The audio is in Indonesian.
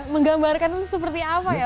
menggambarkan seperti apa ya